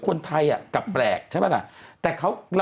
พวกเขาเก็บศพแล้วก็บอกคนไทยกลับแปลกใช่ไหมล่ะ